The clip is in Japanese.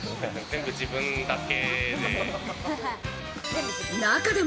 全部自分だけで。